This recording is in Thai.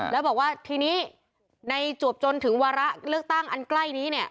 แล้วบอกว่าทีนี้ในจวบจนถึงวาระเลือกตั้งอันใกล้นี้เนี่ย